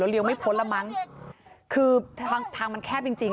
แล้วเลี้ยวไม่พ้นแล้วมั้งคือทางมันแคบจริง